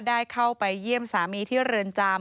ได้เข้าไปเยี่ยมสามีที่เรือนจำ